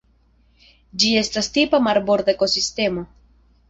Ĝi estas tipa marborda ekosistemo.